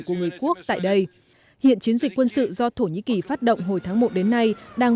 của người quốc tại đây hiện chiến dịch quân sự do thổ nhĩ kỳ phát động hồi tháng một đến nay đang